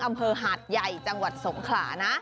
อำเภอหาดใหญ่จังหวัดสงขลานะ